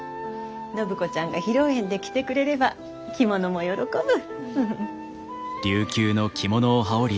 暢子ちゃんが披露宴で着てくれれば着物も喜ぶ。